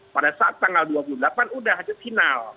pada saat tanggal dua puluh delapan sudah itu final